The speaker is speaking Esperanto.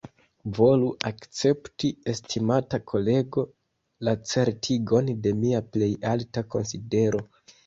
Volu akcepti, estimata kolego, la certigon de mia plej alta konsidero.